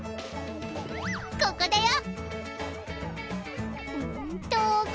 ここだよ！